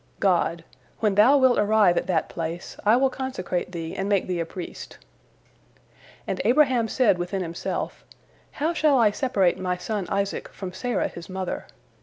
God: "When thou wilt arrive at that place, I will consecrate thee and make thee a priest." And Abraham said within himself, "How shall I separate my son Isaac from Sarah his mother?"